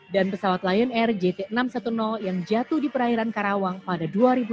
dan pesawat lion air jt enam ratus sepuluh yang jatuh di perairan karawang pada dua ribu tujuh belas